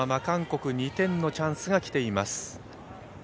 韓国２点のチャンスが来ています。